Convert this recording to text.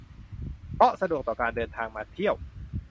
เพราะสะดวกต่อการเดินทางมาเที่ยว